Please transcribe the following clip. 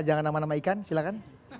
jangan nama nama ikan silakan